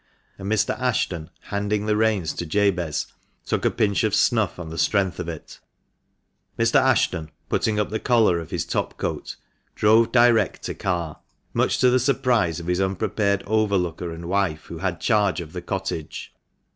And Mr. Ashton, handing the reins to Jabez, took a pinch of snuff on the strength of it Mr. Ashton, putting up the collar of his topcoat, drove direct to Carr, much to the surprise of his unprepared overlooker and wife, who had charge of the cottage.